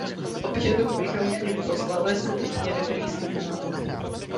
Občanům bychom tím poslali skutečně dobrý signál.